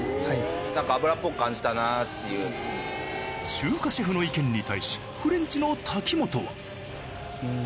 中華シェフの意見に対しフレンチの滝本は。